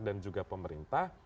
dan juga pemerintah